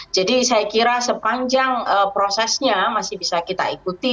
jadi saya kira sepanjang prosesnya masih bisa kita ikuti